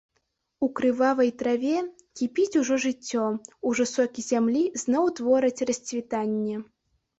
У крывавай траве кіпіць ужо жыццё, ужо сокі зямлі зноў твораць расцвітанне.